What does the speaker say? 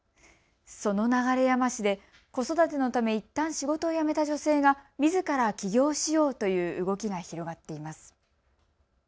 その流山市で子育てのためいったん仕事を辞めた女性がみずから起業しようという動きが広がっています。